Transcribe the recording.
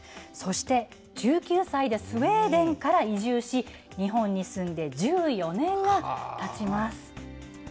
そして、１９歳でスウェーデンから移住し、日本に住んで１４年がたちます。